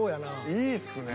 ［いいっすね］